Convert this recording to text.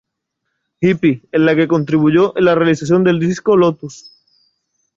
Hippie", en la que contribuyó en la realización del disco "Lotus".